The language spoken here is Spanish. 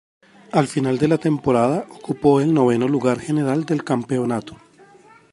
Al final de la temporada ocupó el noveno lugar general del campeonato.